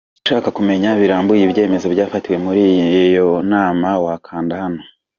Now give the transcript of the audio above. Ushaka kumenya birambuye ibyemezo byafatiwe muri iyo nama, wakanda hano.